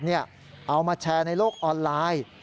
เอามาแชร์ในโลกออนไลน์